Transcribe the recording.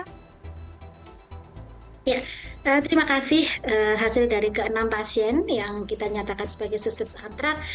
ya terima kasih hasil dari keenam pasien yang kita nyatakan sebagai suspek antraks